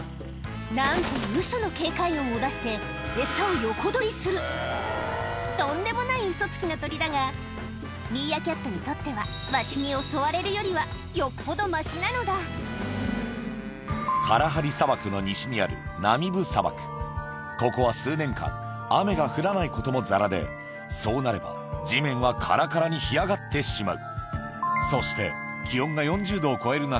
なんとウソの警戒音を出してエサを横取りするとんでもないウソつきな鳥だがミーアキャットにとってはカラハリ砂漠の西にあるここは数年間雨が降らないこともざらでそうなれば地面はカラカラに干上がってしまうそして気温が４０℃を超える中